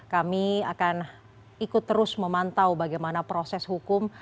kami akan ikut terus memantau bagaimana proses hukum